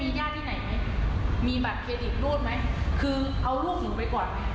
มีบัตรเครดิตรวดไหมคือเอาลูกหนูไปก่อน